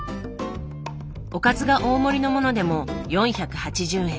おかずが大盛りのものでも４８０円。